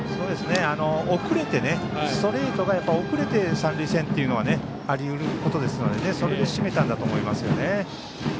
ストレートが遅れて三塁線というのはあり得ることですのでそれで締めたんだと思います。